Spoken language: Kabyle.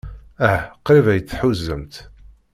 Ah, qrib ay t-tḥuzamt.